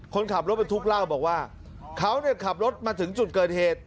คนขับรถบรรทุกเล่าบอกว่าเขาขับรถมาถึงจุดเกิดเหตุ